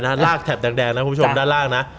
ลากแถบแดงนะคุณผู้ชมด้านล่างนะ